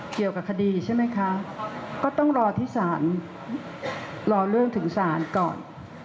เกี่ยวกับคดีใช่ไหมคะก็ต้องรอที่ศาลรอเรื่องถึงศาลก่อน